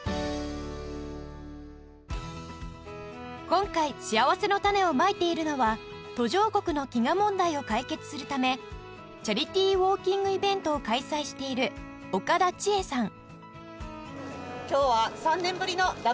今回しあわせのたねをまいているのは途上国の飢餓問題を解決するためチャリティーウォーキングイベントを開催している岡田千絵さん